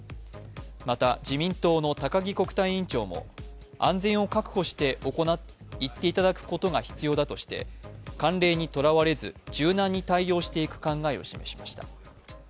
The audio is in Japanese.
また、自民党の高木国対委員長も安全を確保して行っていただくことが必要だとして慣例にとらわれず、柔軟に対応していく考えを示しました。